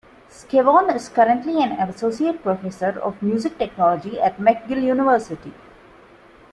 Scavone is currently an associate professor of music technology at McGill University.